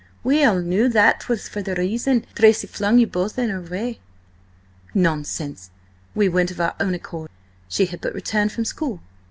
We all knew that 'twas for that reason Tracy flung you both in her way." "Nonsense! We went of our own accord. She had but returned from school."